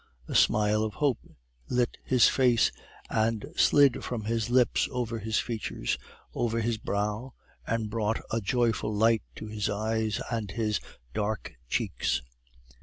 A smile of hope lit his face, and slid from his lips over his features, over his brow, and brought a joyful light to his eyes and his dark cheeks.